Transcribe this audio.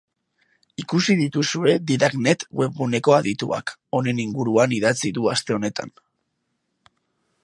Ikusi dituzue didaknet webguneko adituak, honen inguruan idatzi du aste honetan.